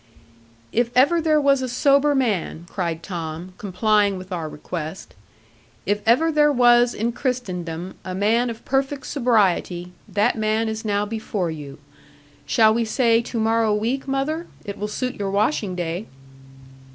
'If ever there was a sober man,' cried Tom, complying with our request; 'if ever there was in Christendom a man of perfect sobriety, that man is now before you. Shall we say to morrow week, mother? It will suit your washing day.'